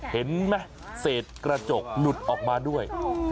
เห็นไหมเศษกระจกหลุดออกมาด้วย